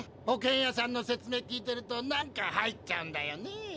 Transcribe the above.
保険屋さんの説明聞いてるとなんか入っちゃうんだよね。